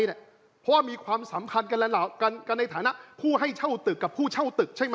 เพราะว่ามีความสัมพันธ์กันในฐานะผู้ให้เช่าตึกกับผู้เช่าตึกใช่ไหม